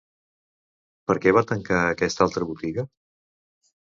Per què va tancar aquesta altra botiga?